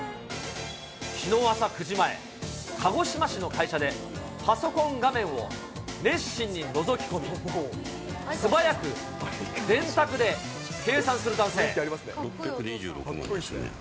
きのう朝９時前、鹿児島市の会社で、パソコン画面を熱心にのぞき込み、６２６万円ですね。